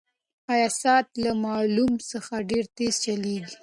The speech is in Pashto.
ایا ساعت له معمول څخه ډېر تېز چلیږي؟